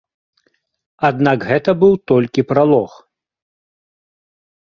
Аднак гэта быў толькі пралог.